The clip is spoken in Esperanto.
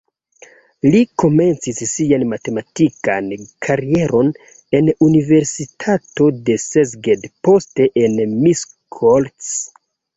Li komencis sian matematikan karieron en universitato de Szeged, poste en Miskolc.